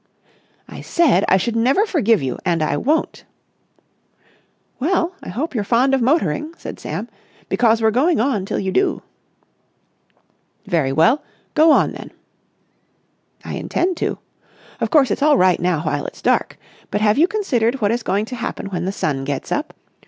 "I said I should never forgive you and I won't." "Well, I hope you're fond of motoring," said Sam, "because we're going on till you do." "Very well! Go on, then!" "I intend to. Of course, it's all right now while it's dark. But have you considered what is going to happen when the sun gets up?